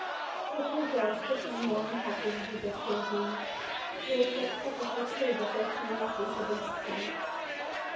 The three girls became more unhappy under Dick's reasoning. It was so perfectly true that there seemed nothing for them to say.